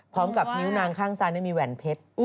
พร้อมกับนิ้วนางข้างซ้ายมีแหวนเพชร